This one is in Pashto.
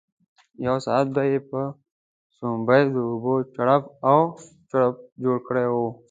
یو ساعت به یې پر سومبۍ د اوبو چړپ او چړوپ جوړ کړی وو.